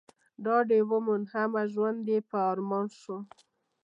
ډاډ يې وموند، همه ژوند يې په امان شو